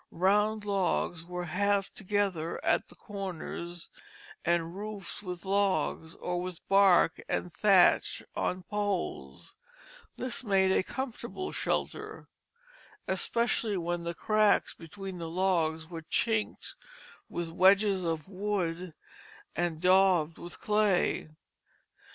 Round logs were halved together at the corners, and roofed with logs, or with bark and thatch on poles; this made a comfortable shelter, especially when the cracks between the logs were "chinked" with wedges of wood, and "daubed" with clay.